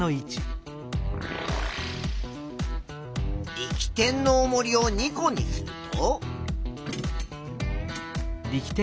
力点のおもりを２個にすると。